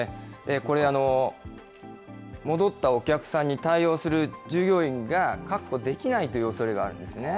これ、戻ったお客さんに対応する従業員が確保できないというおそれがあるんですね。